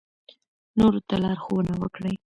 نورو ته لارښوونه وکړئ.